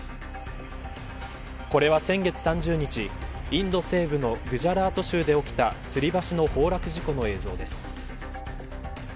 これは先月３０日インド西部のグジャラート州で起きたつり橋の崩落事故の映像です。